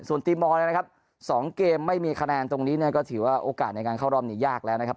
ส่วนทีมมอลนะครับ๒เกมไม่มีคะแนนตรงนี้เนี่ยก็ถือว่าโอกาสในการเข้ารอบนี้ยากแล้วนะครับ